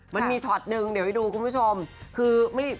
มันมีช็อตนึงเดี๋ยวให้ดูคุณผู้ชมคือไม่